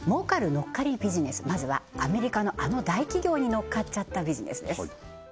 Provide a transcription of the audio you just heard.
のっかりビジネスまずはアメリカのあの大企業にのっかっちゃったビジネスです